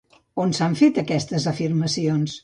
On s'han fet aquestes afirmacions?